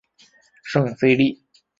圣费利。